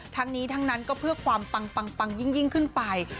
ทั้งนี้ทั้งนั้นก็เพื่อความปังยิ่งขึ้นไป